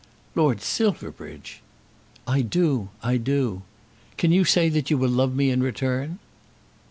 "Lord Silverbridge!" "I do. I do. Can you say that you will love me in return?"